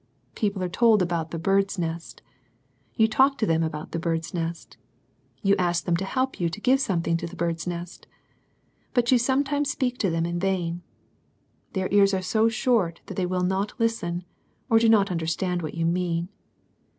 People are told about the "Bird's Nest." You talk to them about the "Bird's Nest" You ask them to help you to give something to the " Bird's Nest" But you sometimes speak to them in vain. Their ears are so short that they will not listen, or do not understand what you mean.